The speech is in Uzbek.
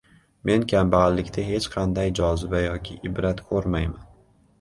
Men kambag‘allikda hech qanday joziba yoki ibrat ko‘rmayman.